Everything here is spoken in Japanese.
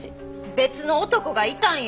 別の男がいたんよ。